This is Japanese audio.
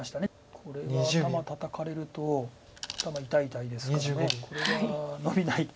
これは頭タタかれると頭痛い痛いですからこれはノビないと。